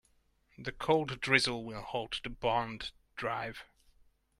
The cold drizzle will halt the bond drive.